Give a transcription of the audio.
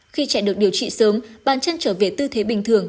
khi trẻ được điều trị sớm bàn chân trở về tư thế bình thường